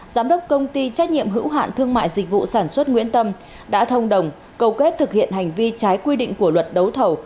giám đốc công ty trách nhiệm hữu hạn thương mại dịch vụ sản xuất nguyễn tâm đã thông đồng cầu kết thực hiện hành vi trái quy định của luật đấu thầu